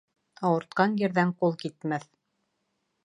Ауыртҡан ерҙән ҡул китмәҫ